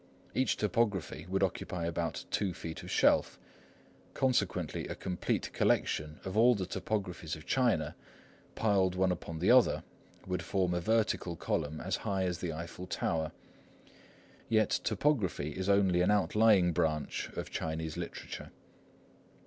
Each Topography would occupy about two feet of shelf; consequently a complete collection of all the Topographies of China, piled one upon the other, would form a vertical column as high as the Eiffel Tower. Yet Topography is only an outlying branch of Chinese literature.